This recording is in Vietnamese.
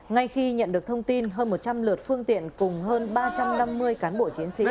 ngay khi nhận được thông tin hơn một trăm linh lượt phương tiện cùng hơn ba trăm năm mươi cán bộ chiến sĩ